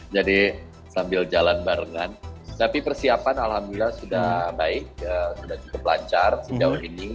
jadi sambil jalan barengan tapi persiapan alhamdulillah sudah baik sudah cukup lancar sejauh ini